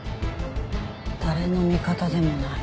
「誰の味方でもない